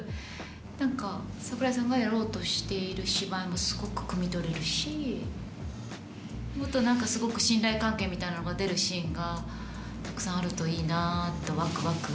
何か櫻井さんがやろうとしている芝居もすごくくみ取れるしもっと何かすごく信頼関係みたいなのが出るシーンがたくさんあるといいなってわくわく。